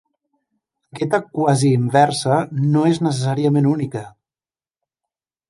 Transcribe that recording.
Aquesta quasi-inversa no és necessàriament única.